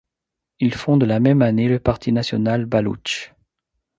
Il fonde la même année le Parti national baloutche.